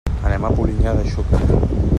Anem a Polinyà de Xúquer.